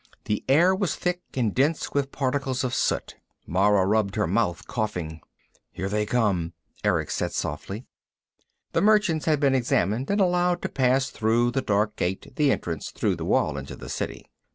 The air was thick and dense with particles of soot. Mara rubbed her mouth, coughing. "Here they come," Erick said softly. The merchants had been examined and allowed to pass through the dark gate, the entrance through the wall into the City.